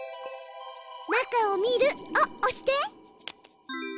「中を見る」を押して。